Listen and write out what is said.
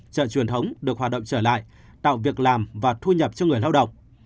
chợ truyền thống được hoạt động trở lại tạo việc làm và thu nhập cho người lao động